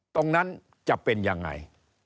ตรงนั้นจะเป็นยังไง